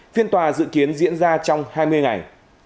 phiên tòa dự kiến diễn ra trong hai mươi ngày